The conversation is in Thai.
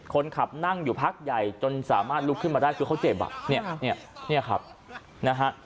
คนขับนั่งอยู่พักใหญ่จนสามารถลุกขึ้นมาได้คือเขาเจ็บอ่ะเนี่ยเนี่ยครับนะฮะ